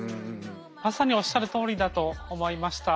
まさにおっしゃるとおりだと思いました。